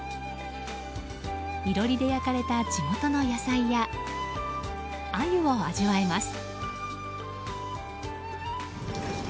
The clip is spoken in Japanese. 囲炉裏で焼かれた地元の野菜やアユを味わえます。